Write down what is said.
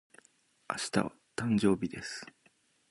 明日は、誕生日です。